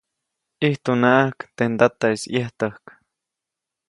ʼIjtunaʼajk teʼ ndataʼis ʼyejtäjk.